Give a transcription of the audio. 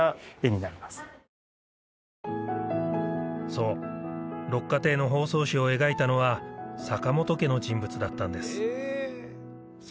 そう六花亭の包装紙を描いたのは坂本家の人物だったんです